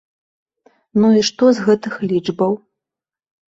Ну і што з гэтых лічбаў?